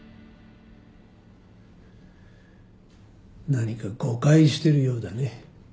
何か誤解してるようだね。